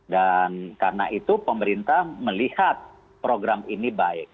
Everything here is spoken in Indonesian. dan karena itu pemerintah melihat program ini baik